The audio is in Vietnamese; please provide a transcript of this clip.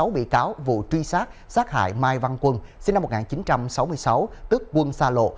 một mươi sáu bị cáo vụ truy sát sát hại mai văn quân sinh năm một nghìn chín trăm sáu mươi sáu tức quân sa lộ